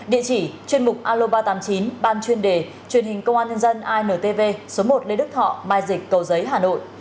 địa chỉ chuyên mục alo ba trăm tám mươi chín ban chuyên đề truyền hình công an nhân dân intv số một lê đức thọ mai dịch cầu giấy hà nội